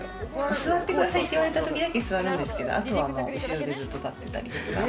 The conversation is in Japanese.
座ってくださいって言われたときだけ座るんですけれど、あとはずっと後ろで立ってたりとか。